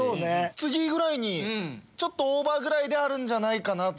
次ぐらいにちょっとオーバーぐらいであるんじゃないかなと。